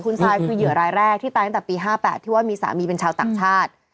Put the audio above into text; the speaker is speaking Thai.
คุณซายคือเหยื่อรายแรกที่ตายตั้งแต่ปี๕๘ที่ว่ามีสามีเป็นชาวต่างชาติ